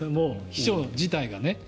秘書自体がね。